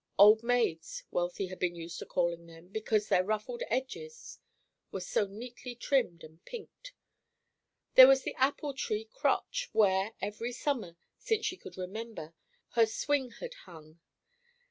"Old maids," Wealthy had been used to call them, because their ruffled edges were so neatly trimmed and pinked. There was the apple tree crotch, where, every summer since she could remember, her swing had hung.